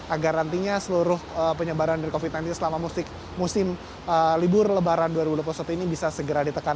agar nantinya seluruh penyebaran dari covid sembilan belas selama musim libur lebaran dua ribu dua puluh satu ini bisa segera ditekan